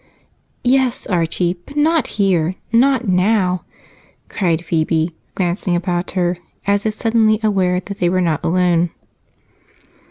"Yes, Archie, but not here not now!" cried Phebe, glancing about her as if suddenly aware that they were not alone.